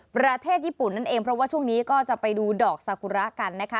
ประเทศญี่ปุ่นนั่นเองเพราะว่าช่วงนี้ก็จะไปดูดอกซากุระกันนะคะ